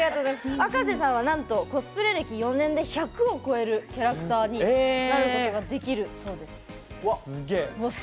あかせさんはなんとコスプレ歴４年で１００を超えるキャラクターになることができるそうです。